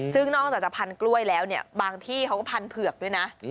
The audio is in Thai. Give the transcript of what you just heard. ซึ่งนอกจากจะพันกล้วยแล้วเนี่ยบางที่เขาก็พันเผือกด้วยนะ